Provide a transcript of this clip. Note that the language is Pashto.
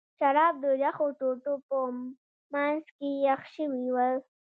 شراب د یخو ټوټو په منځ کې یخ شوي ول.